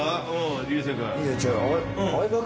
流星君。